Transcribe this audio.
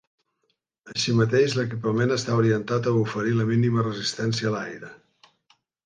Així mateix l'equipament està orientat a oferir la mínima resistència a l'aire.